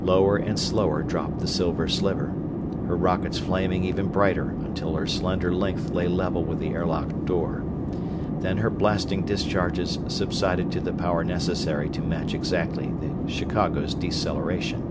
Lower and slower dropped the Silver Sliver, her rockets flaming even brighter, until her slender length lay level with the airlock door. Then her blasting discharges subsided to the power necessary to match exactly the Chicago's deceleration.